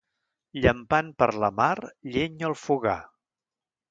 Llampant per la mar, llenya al fogar.